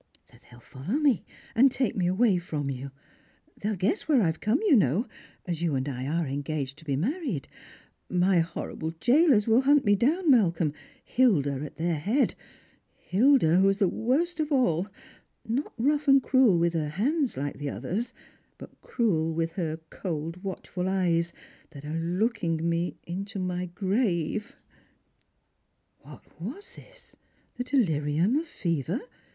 " That they'll follow me, and take me away from you. They'll guess where I've come, you know ; as you and I are engaged to be married. My horrible jailers will hunt me down, Mal colm ; Hilda at their head. Hilda, who is the worst of all — not rough and cruel with her hands like the others — but cruel with her cold watchful eyes, that are looking me into my grave." What was this P the delirium of fever ?